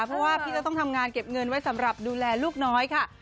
เพราะว่าพี่จะต้องทำงานเก็บเงินไว้สำหรับดูแลลูกน้อยค่ะ